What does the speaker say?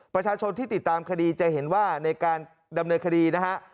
ประชาชนที่ติดตามคดีจะเห็นว่าในการดำเนินคดีนะฮะ